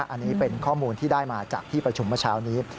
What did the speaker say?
อันนี้เป็นข้อมูลที่ได้มาจากที่ประชุมเมื่อเช้านี้